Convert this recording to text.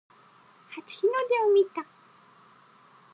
初日の出を見た